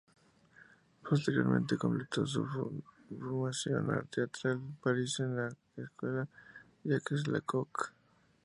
Posteriormente completó su formación teatral en París, en la escuela de Jacques Lecoq.